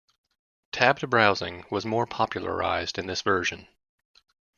Tabbed browsing was more popularised in this version.